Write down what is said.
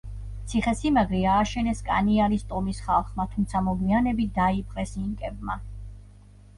ციხესიმაგრე ააშენეს კანიარის ტომის ხალხმა, თუმცა მოგვიანებით დაიპყრეს ინკებმა.